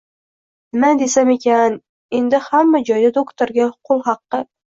Nima desam ekan, endi hamma joyda doktorga qo`l haqi